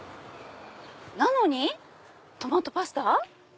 なのにトマトパスタ？